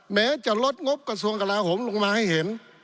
แม้จะลดงบกระทรวงกลาโหมลงมาให้เห็น